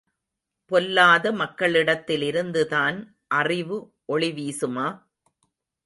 பொல்லாத மக்களிடத்திலிருந்துதான் அறிவு ஒளி வீசுமா?